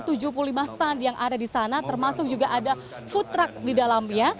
ada tujuh puluh lima stand yang ada di sana termasuk juga ada food truck di dalamnya